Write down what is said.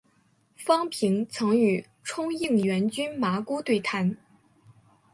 方平曾与冲应元君麻姑对谈。